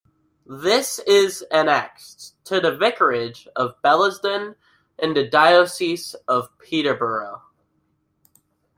This is annexed to the vicarage of Billesdon, in the diocese of Peterborough.